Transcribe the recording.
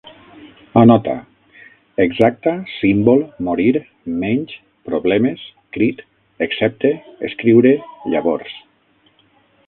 Anota: exacta, símbol, morir, menys, problemes, crit, excepte, escriure, llavors